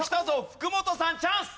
福本さんチャンス！